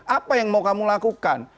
apa yang mau kamu lakukan